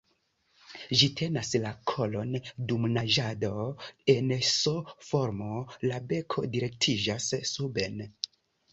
Ĝi tenas la kolon dum naĝado en S-formo, la beko direktiĝas suben.